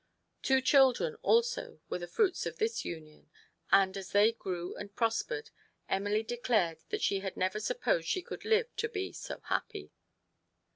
Two children also were the fruits of this union, and, as they grew and prospered, Emily declared that she had never supposed she could live to be so happy.